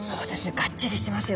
がっちりしてますよね。